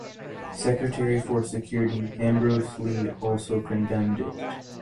Secretary for Security Ambrose Lee also condemned it.